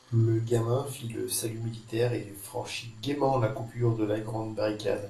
Le gamin fit le salut militaire et franchit gaîment la coupure de la grande barricade.